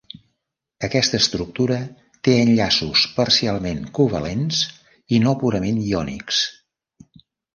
Aquesta estructura té enllaços parcialment covalents i no purament iònics.